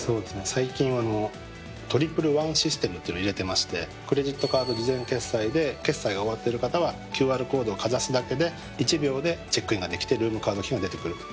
最近あのトリプルワンシステムというのを入れてましてクレジットカード事前決済で決済が終わってる方はＱＲコードをかざすだけで１秒でチェックインができてルームカードキーが出てくると。